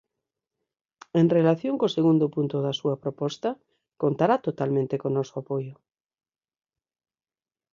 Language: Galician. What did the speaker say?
En relación co segundo punto da súa proposta, contará totalmente co noso apoio.